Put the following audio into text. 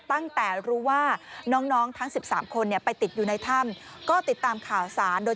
ตั้งแต่รู้ว่าน้องทั้ง๑๓คนเนี่ยไปติดอยู่ในถ้ำก็ติดตามข่าวสารโดย